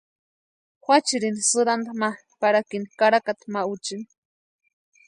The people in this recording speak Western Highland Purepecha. Juachiri sïranta ma parikini karakata ma úchini.